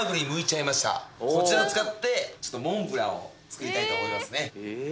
こちらを使って。を作りたいと思いますね。